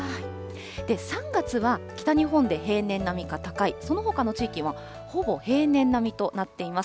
３月は北日本で平年並みか高い、そのほかの地域も、ほぼ平年並みとなっています。